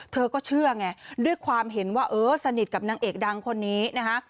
เธอก็เชื่อไงด้วยความเห็นว่าเออสนิทกับนางเอกดังคนนี้นะคะ